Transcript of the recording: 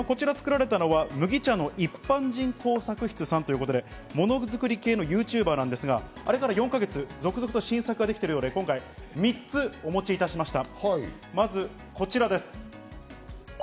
こちらを作られたのは麦茶の逸般人工作室さんということで、ものづくり系のＹｏｕＴｕｂｅｒさんなんですが、あれから続々と新作ができているということで、今回３つお持ちしました。